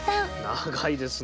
長いですね